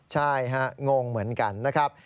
ใช่ฮะงงเหมือนกันนะครับ